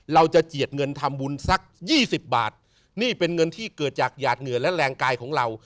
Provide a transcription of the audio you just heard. เจียดเงินทำบุญสักยี่สิบบาทนี่เป็นเงินที่เกิดจากหยาดเหงื่อและแรงกายของเรา